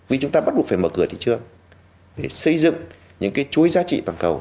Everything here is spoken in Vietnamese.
vì chúng ta bắt buộc phải mở cửa thị trường để xây dựng những cái chuỗi giá trị toàn cầu